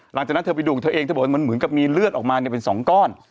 หลังจากนั้นเธอไปดูของเธอเองเธอบอกว่ามันเหมือนกับมีเลือดออกมาเนี่ยเป็นสองก้อน